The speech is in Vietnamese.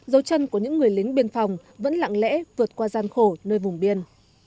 dấu chân của những người lính biên phòng vẫn lặng lẽ vượt qua gian khổ nơi vùng biên